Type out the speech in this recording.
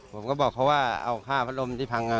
ผมก็บอกเขาว่าเอาค่าพัดลมที่พัง